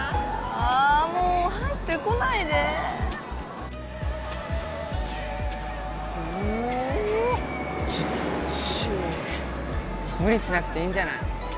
あもう入ってこないでうわっきっちい無理しなくていいんじゃない？